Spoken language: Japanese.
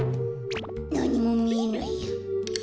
なにもみえないや。